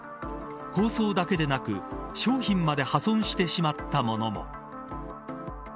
包装だけでなく商品まで破損してしまった物も。